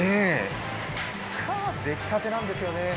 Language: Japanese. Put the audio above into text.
出来たてなんですよね。